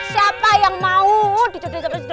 siapa yang mau dijodohin sama siapa